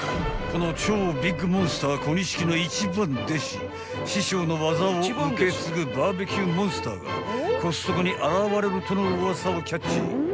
［この超ビッグモンスターＫＯＮＩＳＨＩＫＩの一番弟子師匠の技を受け継ぐバーベキューモンスターがコストコに現れるとのウワサをキャッチ］